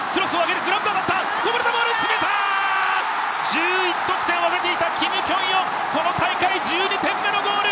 １１得点を挙げていたキム・キョンヨン、この大会１２点目のゴール